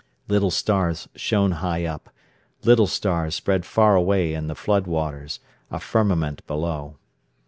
Little stars shone high up; little stars spread far away in the flood waters, a firmament below.